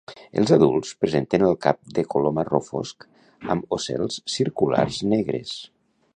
Els adults presenten el cap de color marró fosc amb ocels circulars negres.